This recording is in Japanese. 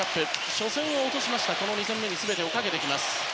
初戦を落としましたので２戦目に全てをかけてきます。